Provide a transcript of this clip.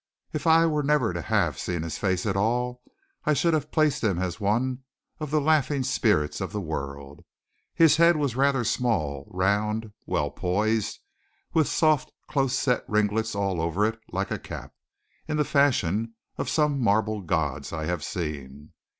If I were never to have seen his face at all I should have placed him as one of the laughing spirits of the world. His head was rather small, round, well poised, with soft close set ringlets all over it like a cap, in the fashion of some marble gods I have seen.